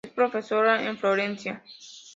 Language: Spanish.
Es profesora en Florencia.